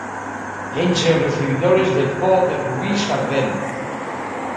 Enche os recibidores de po de rubís ardente